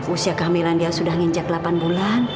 usia kehamilan dia sudah nginjak delapan bulan